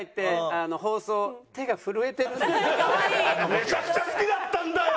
めちゃくちゃ好きだったんだよ！